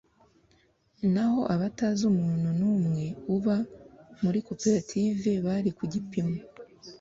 naho abatazi umuntu n umwe uba muri koperative bari ku gipimo